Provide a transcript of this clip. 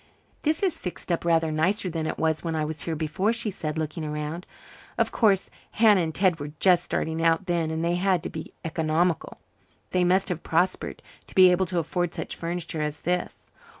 "This is fixed up much nicer than it was when I was here before," she said, looking around. "Of course, Hannah and Ted were just starting out then and they had to be economical. They must have prospered, to be able to afford such furniture as this.